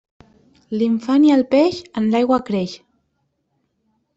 L'infant i el peix, en l'aigua creix.